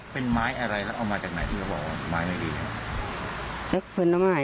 เป็นไม้อะไรแล้วเอามาจากไหนที่จะบอกมายไม่ดี